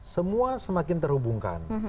semua semakin terhubungkan